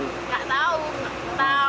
ya terus itu pertama itu nggak parah